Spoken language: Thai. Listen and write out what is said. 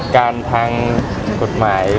การพังกฎหมาย